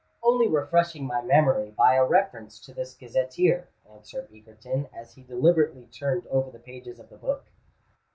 "Only refreshing my memory by a reference to this Gazetteer," answered Egerton, as he deliberately turned over the pages of the book.